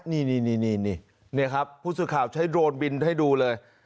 นี่นี่นี่นี่นี่ครับผู้สื่อข่าวใช้โดรนบินให้ดูเลย